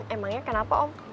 emangnya kenapa om